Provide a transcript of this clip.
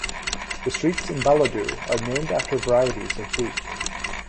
The streets in Ballidu are named after varieties of wheat.